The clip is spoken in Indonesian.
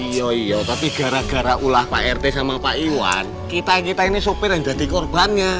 iya iya tapi gara gara ulah pak rt sama pak iwan kita kita ini sopir yang jadi korbannya